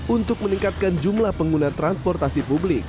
untuk meningkatkan jumlah pengguna transportasi publik